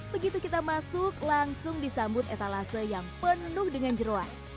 begitu kita masuk langsung disambut etalase yang penuh dengan jeruan